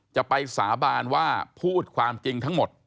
จะไปสาบานว่าพูดความจริงทั้งหมด